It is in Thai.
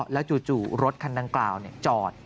แล้วจู่รถคันดังกล่าวจอด